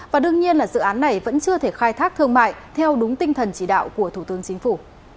và đương nhiên là dự án này vẫn chưa thể khai thác thương mại theo đúng tinh thần chỉ đạo của thủ tướng chính phủ